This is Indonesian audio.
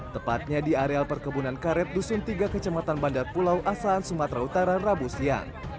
tepatnya di areal perkebunan karet dusun tiga kecamatan bandar pulau asahan sumatera utara rabu siang